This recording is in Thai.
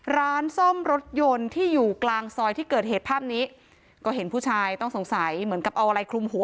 ร้านซ่อมรถยนต์ที่อยู่กลางซอยที่เกิดเหตุภาพนี้ก็เห็นผู้ชายต้องสงสัยเหมือนกับเอาอะไรคลุมหัว